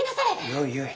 よいよい。